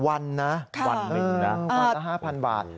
วันนะวันหนึ่งนะวันละ๕๐๐บาท